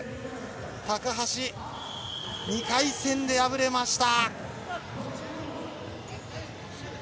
高橋、２回戦で敗れました。